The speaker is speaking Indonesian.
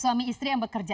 suami istri yang bekerja